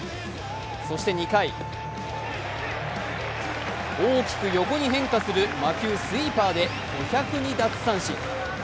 そして２回、大きく横に変化する魔球・スイーパーで５０２奪三振。